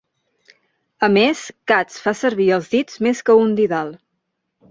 A més, Katz fa servir els dits més que un didal.